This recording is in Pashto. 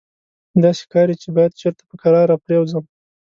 داسې ښکاري چې باید چېرته په کراره پرېوځم.